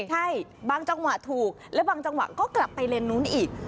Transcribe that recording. ใช่บางจังหวะถูกและบางจังหวะก็กลับไปเลนส์นู้นอีก